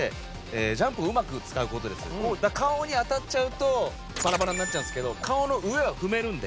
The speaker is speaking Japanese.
顔に当たっちゃうとバラバラになっちゃうんですけど顔の上は踏めるんで。